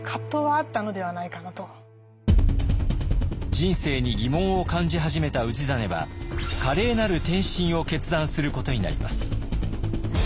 人生に疑問を感じ始めた氏真は華麗なる転身を決断することになります。